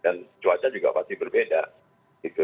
dan cuaca juga pasti berbeda gitu